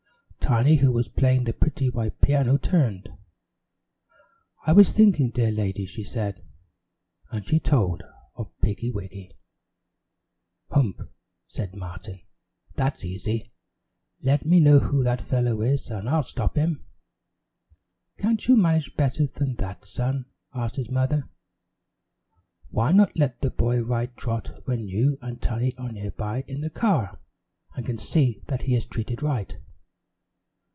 Tiny, who was playing the pretty white piano, turned. "I was thinking, dear lady," she said, and she told of Piggy wiggy. "Humph," said Martin. "That's easy. Let me know who that fellow is and I'll stop him." "Can't you manage better than that, son?" asked his mother. "Why not let the boy ride Trot when you and Tiny are nearby in the car, and can see that he is treated right?"